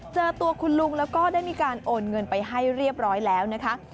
เจอตัวคุณลุงแล้วก็ได้มีการโอนเงินไปให้เรียบร้อยแล้วนะคะ